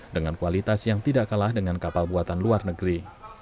dengan kualitas yang tidak kalah dengan kapal buatan luar negeri